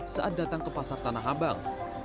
saat datang ke pasar tanah abang